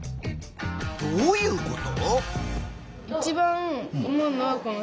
どういうこと？